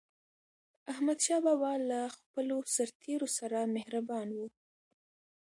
احمدشاه بابا به له خپلو سرتېرو سره مهربان و.